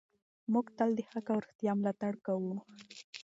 موږ تل د حق او رښتیا ملاتړ کوو.